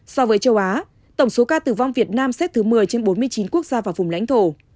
so với châu á tổng số ca tử vong việt nam xếp thứ một mươi trên bốn mươi chín quốc gia và vùng lãnh thổ